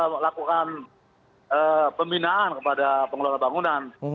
kita sudah lakukan pembinaan kepada pengelola bangunan